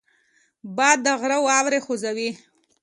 باد د غره واورې خوځوي